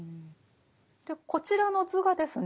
こちらの図がですね